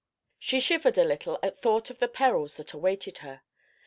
She shivered a little at thought of the perils that awaited her.